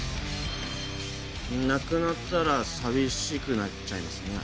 なくなったら寂しくなっちゃいますね。